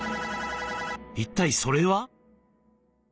一体それは？